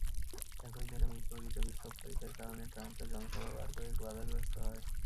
একই দিন মিজৌরিতে বিক্ষোভকারীদের কারণে ট্রাম্পের জনসভা বার কয়েক বাধাগ্রস্ত হয়।